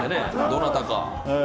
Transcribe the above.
どなたか。